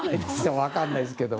分からないですけど。